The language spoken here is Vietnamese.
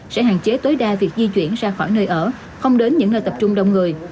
sẽ hạn chế tối đa việc di chuyển ra khỏi nơi ở không đến những nơi tập trung đông người